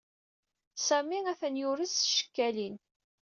Sami atan yurez s tcekkalin.